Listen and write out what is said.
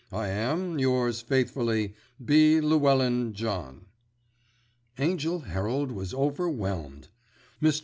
I am, Yours faithfully, B. LLEWELLYN JOHN. Angell Herald was overwhelmed. Mr.